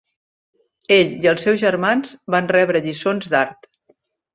Ell i els seus germans van rebre lliçons d"art.